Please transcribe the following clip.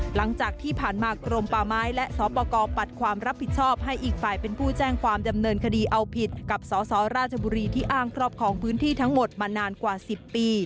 หลังจากที่ผ่านมากรมป่าไม้และสปกรปัดความรับผิดชอบให้อีกฝ่ายเป็นผู้แจ้งความดำเนินคดีเอาผิดกับสสราชบุรีที่อ้างครอบครองพื้นที่ทั้งหมดมานานกว่า๑๐ปี